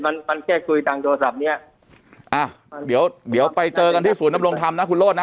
มันมันแค่คุยทางโทรศัพท์เนี้ยอ่าเดี๋ยวเดี๋ยวไปเจอกันที่ศูนย์นำรงธรรมนะคุณโรธนะ